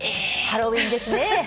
ハロウィーンですねぇ。